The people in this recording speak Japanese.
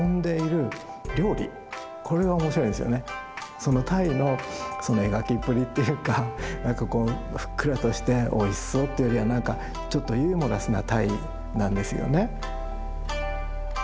その鯛の描きっぷりっていうか何かこうふっくらとしておいしそうっていうよりは何かちょっとユーモラスな鯛なんですよね。